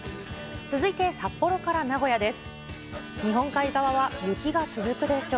続いて札幌から名古屋です。